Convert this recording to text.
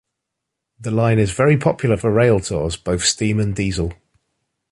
The line is very popular for railtours, both steam and diesel.